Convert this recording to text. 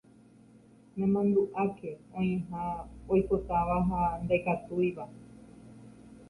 Nemandu'áke oĩha oipotáva ha ndaikatúiva.